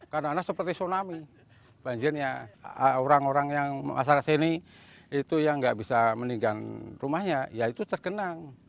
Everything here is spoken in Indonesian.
karena seperti tsunami banjirnya orang orang yang masyarakat sini itu yang nggak bisa meninggikan rumahnya ya itu tergenang